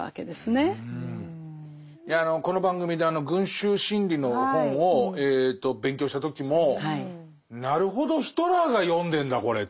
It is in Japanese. いやこの番組で群衆心理の本を勉強した時もなるほどヒトラーが読んでんだこれっていう。